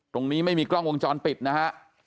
ตรงนี้ไม่มีกล้องวงจรปิดนะฮะ